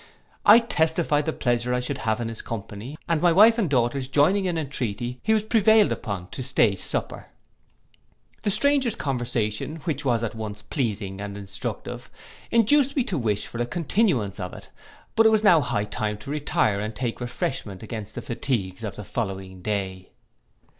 I testified the pleasure I should have in his company, and my wife and daughters joining in entreaty, he was prevailed upon to stay supper. The stranger's conversation, which was at once pleasing and instructive, induced me to wish for a continuance of it; but it was now high time to retire and take refreshment against the fatigues of the following day.